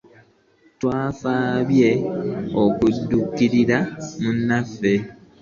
Twafubye okudukirira munaffe.